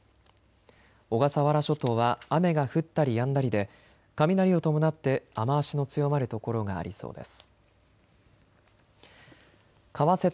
小笠原諸島は雨が降ったりやんだりで雷を伴って雨足の強まる所がありそうです。